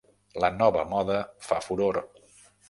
La nova moda fa furor.